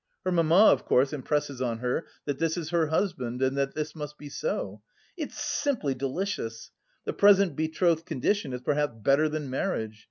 Her mamma of course impresses on her that this is her husband and that this must be so. It's simply delicious! The present betrothed condition is perhaps better than marriage.